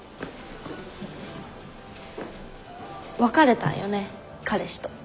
別れたんよね彼氏と。